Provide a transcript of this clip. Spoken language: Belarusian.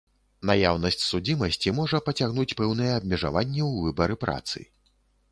Наяўнасць судзімасці можа пацягнуць пэўныя абмежаванні ў выбары працы.